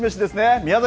宮崎